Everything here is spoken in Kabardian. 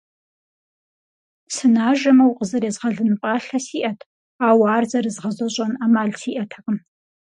Сынажэмэ, укъызэрезгъэлын пӀалъэ сиӀэт, ауэ ар зэрызгъэзэщӏэн Ӏэмал сиӀэтэкъым.